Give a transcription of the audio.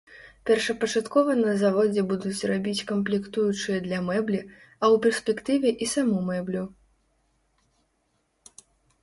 Першапачаткова на заводзе будуць рабіць камплектуючыя для мэблі, а ў перспектыве і саму мэблю.